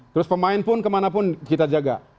terus pemain pun kemana pun kita jaga